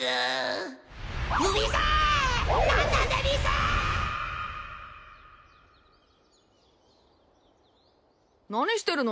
何してるの？